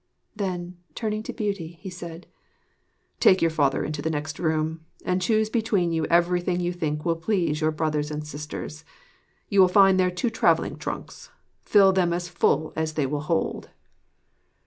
Then, turning to Beauty, he said: 'Take your father into the next room, and choose between you everything you think will please your brothers and sisters. You will find there two travelling trunks: fill them as full as they will hold.'